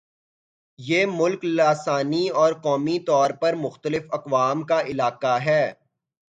یہ ملک لسانی اور قومی طور پر مختلف اقوام کا علاقہ ہے